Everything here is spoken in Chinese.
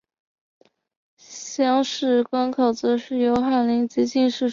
乡试考官则是由翰林及进士出身的官员临时担任。